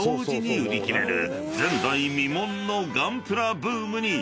［前代未聞のガンプラブームに］